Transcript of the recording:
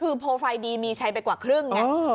คือโปรไฟล์ดีมีชัยไปกว่าครึ่งไง